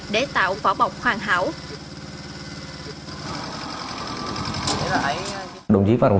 để tạo phỏa bọc hoàn hảo